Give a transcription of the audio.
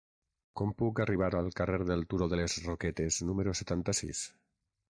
Com puc arribar al carrer del Turó de les Roquetes número setanta-sis?